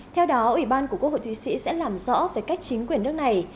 theo đó ủy ban của quốc hội thụy sĩ sẽ làm rõ về cách chính quyền nước này